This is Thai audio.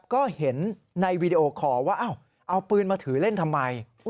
ก็เห็นในวีดีโอคอลว่าเอาปืนมาถือเล่นทำไม